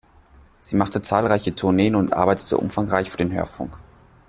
Sie machte zahlreiche Tourneen und arbeitete umfangreich für den Hörfunk.